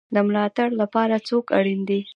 د ملاتړ لپاره څوک اړین دی؟